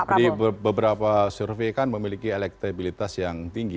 mas erick thohir itu di beberapa survei kan memiliki elektabilitas yang tinggi